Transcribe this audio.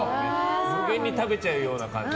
無限に食べちゃうような感じ。